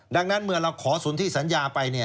ดังนั้นเมื่อเราขอสนที่สัญญาไป